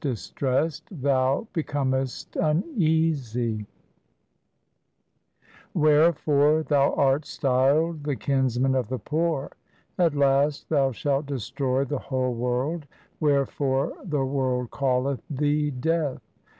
COMPOSITIONS OF GURU GOBIND SINGH 307 Wherefore Thou art styled the kinsman of the poor. At last Thou shalt destroy the whole world ; Wherefore the world calleth Thee Death.